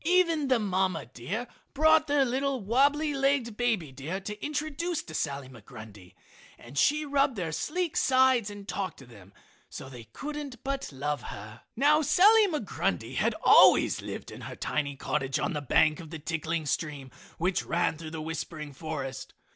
Even the mama deer brought their little, wabbly legged baby deer to introduce to Sally Migrundy; and she rubbed their sleek sides and talked to them so they couldn't but love her. Now Sally Migrundy had always lived in her tiny cottage on the bank of the tinkling stream which ran through the whispering forest.